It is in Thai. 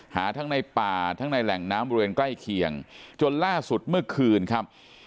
หาทั้งในป่าทั้งในแหล่งน้ำบริเวณใกล้เคียงจนล่าสุดเมื่อคืนครับ